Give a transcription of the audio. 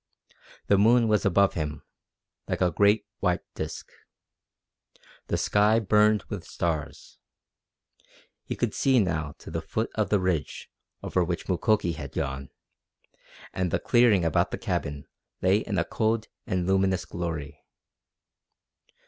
The moon was above him, like a great, white disc. The sky burned with stars. He could see now to the foot of the ridge over which Mukoki had gone, and the clearing about the cabin lay in a cold and luminous glory.